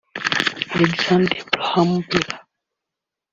Alexander Graham Bell